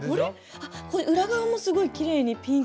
あっこれ裏側もすごいきれいにピンとなってます。